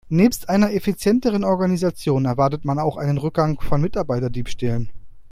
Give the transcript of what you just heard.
Nebst einer effizienteren Organisation erwartet man auch einen Rückgang von Mitarbeiterdiebstählen.